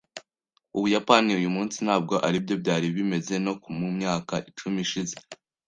Ubuyapani uyumunsi ntabwo aribyo byari bimeze no mumyaka icumi ishize .